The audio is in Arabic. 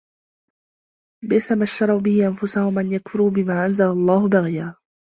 بِئْسَمَا اشْتَرَوْا بِهِ أَنْفُسَهُمْ أَنْ يَكْفُرُوا بِمَا أَنْزَلَ اللَّهُ بَغْيًا